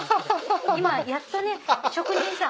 今やっと職人さん。